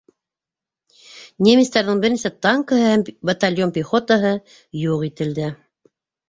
Немецтарҙың бер нисә танкыһы һәм батальон пехотаһы юҡ ителде.